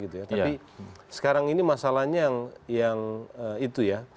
tapi sekarang ini masalahnya yang itu ya